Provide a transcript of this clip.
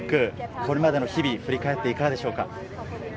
これまでの日々を振り返っていかがですか？